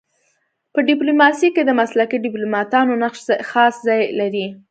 په ډيپلوماسی کي د مسلکي ډيپلوماتانو نقش خاص ځای لري.